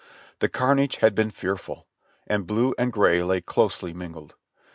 The carnage had been fearful, and blue and gray lay closely mingled.